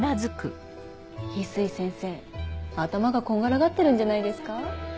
翡翠先生頭がこんがらがってるんじゃないですか？